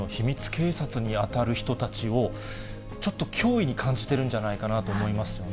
警察に当たる人たちを、ちょっと脅威に感じてるんじゃないかなと思いますよね。